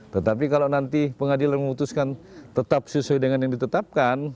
tetapi kalau nanti pengadilan memutuskan tetap sesuai dengan yang ditetapkan